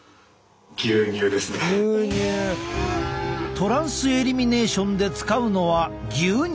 トランスエリミネーションで使うのは牛乳！